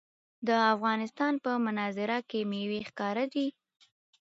د افغانستان په منظره کې مېوې ښکاره ده.